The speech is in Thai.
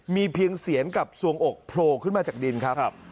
มีเพียงเสียนกับส่วงอกโผล่ขึ้นมาจากดินครับ